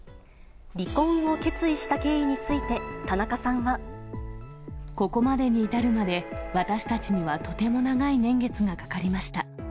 離婚を決意した経緯について、ここまでに至るまで、私たちにはとても長い年月がかかりました。